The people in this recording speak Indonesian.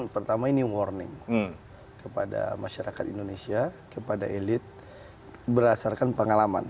pertama ini warning kepada masyarakat indonesia kepada elit berdasarkan pengalaman